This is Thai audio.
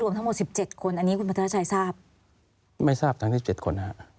ไม่ทราบทั้งที่๗คนครับ